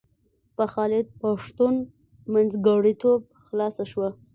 په خالد پښتون منځګړیتوب خلاصه شوه.